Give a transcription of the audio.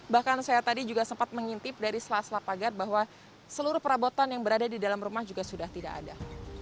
bahkan saya tadi juga sempat mengintip dari selas sela pagar bahwa seluruh perabotan yang berada di dalam rumah juga sudah tidak ada